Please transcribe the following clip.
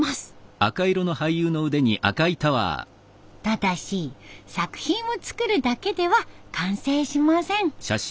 ただし作品を作るだけでは完成しません。